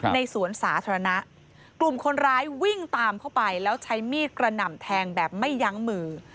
ในสวนสาธารณะกลุ่มคนร้ายวิ่งตามเข้าไปแล้วใช้มีดกระหน่ำแทงแบบไม่ยั้งมือ